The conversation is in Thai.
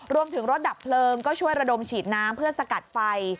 รถดับเพลิงก็ช่วยระดมฉีดน้ำเพื่อสกัดไฟ